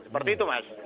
seperti itu mas